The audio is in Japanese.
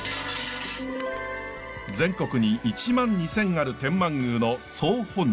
全国に１万２，０００ある天満宮の総本社。